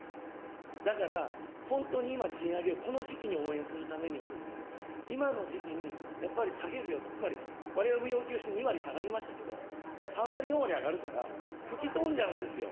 だから、本当に今、賃上げをこの時期に応援するためには、今の時期にやっぱり下げるよと、つまりわれわれも要求して２割下がりましたけど、３割、４割上がるから吹き飛んじゃうんですよ。